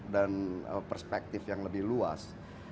dan perspektif yang lebih luas